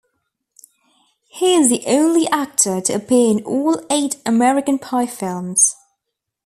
He is the only actor to appear in all eight "American Pie" films.